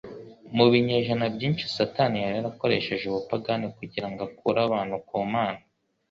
Mu binyejana byinshi Satani yari yarakoresheje ubupagani kugira ngo akure abantu ku Mana;